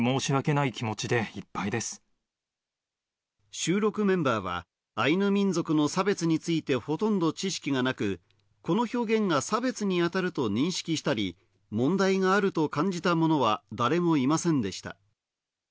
収録メンバーはアイヌ民族の差別についてほとんど知識がなく、この表現が差別に当たると認識したり、問題があると感じた者は誰もいませんでした。